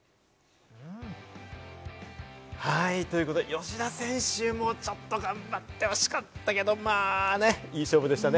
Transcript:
吉田選手、もうちょっと頑張ってほしかったけど、まぁね、いい勝負でしたね。